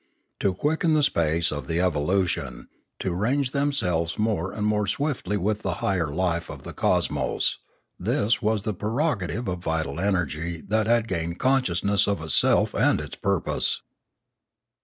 To quicken the pace of the evolution, to range themselves more and more swiftly with the higher life of the cos mos, this was the prerogative of vital energy that had gained consciousness of itself and its purpose.